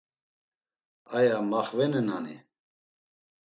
Aya maxvenenani?